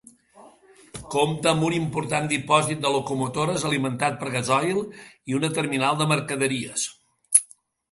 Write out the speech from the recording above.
Compta amb un important dipòsit de locomotores alimentat per gasoil i una terminal de mercaderies.